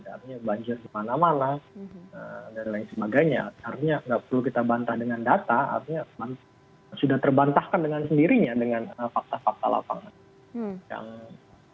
artinya banjir di mana mana dan lain sebagainya artinya nggak perlu kita bantah dengan data artinya sudah terbantahkan dengan sendirinya dengan fakta fakta lapangan